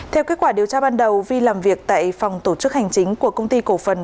theo kết quả điều tra ban đầu vi làm việc tại phòng tổ chức hành chính của công ty cổ phần